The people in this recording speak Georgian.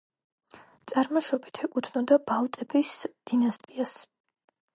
წარმოშობით ეკუთვნოდა ბალტების დინასტიას.